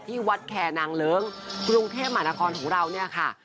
ที่วัดแคร์นางเลิ้งกรุงเทพมหานครของเราเนี่ยค่ะ